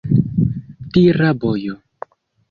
Dira bojo!